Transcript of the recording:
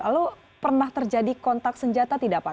lalu pernah terjadi kontak senjata tidak pak